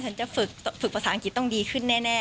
ฉันจะฝึกภาษาอังกฤษต้องดีขึ้นแน่